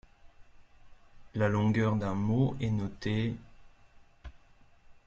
La longueur d'un mot est notée ||.